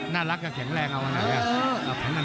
น่ารักกับแข็งแรงเอาอันนั้นนะ